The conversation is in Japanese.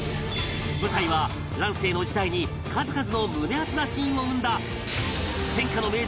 舞台は乱世の時代に数々の胸アツなシーンを生んだ